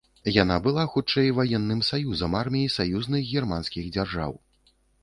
Яна была хутчэй ваенным саюзам армій саюзных германскіх дзяржаў.